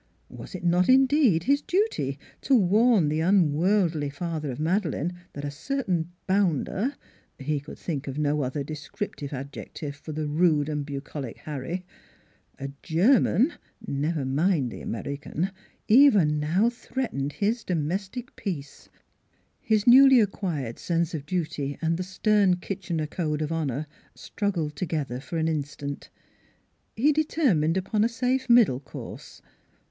Was it not, indeed, his duty to warn the unworldly father of Madeleine that a certain bounder he could think of no other descriptive adjective for the rude and bucolic Harry a German (never mind the American) even now threatened his domestic peace? His newly acquired sense of duty and the stern Kitchener code of honor struggled together for an instant. He determined upon a safe middle course.